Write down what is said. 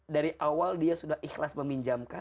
dari awal dia sudah ikhlas meminjamkan